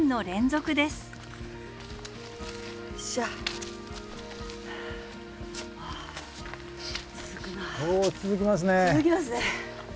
続きますね。